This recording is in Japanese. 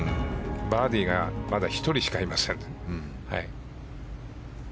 バーディーがまだ１人しかいません。